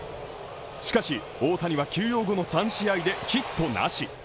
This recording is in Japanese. しかし、大谷は休養後の３試合でヒットなし。